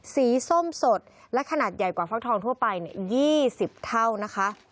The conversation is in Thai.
ส้มสดและขนาดใหญ่กว่าฟักทองทั่วไป๒๐เท่านะคะ